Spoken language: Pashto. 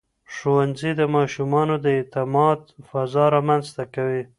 ښوونځي د ماشومانو د اعتماد فضا رامنځته کوي.